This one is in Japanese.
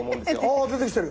あ出てきてる。